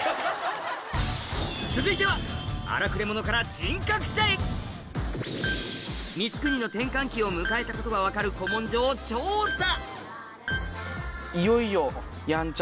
続いては光圀の転換期を迎えたことが分かる古文書を調査！